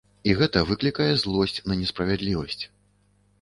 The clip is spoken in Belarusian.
І гэта выклікае злосць на несправядлівасць.